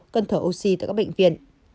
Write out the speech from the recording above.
cần thở oxy tại các bệnh viện